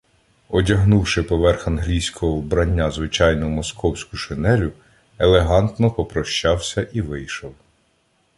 Одягнувши поверх англійського вбрання звичайну московську шинелю, елегантно попрощався і вийшов.